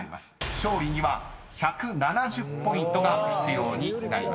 ［勝利には１７０ポイントが必要になります］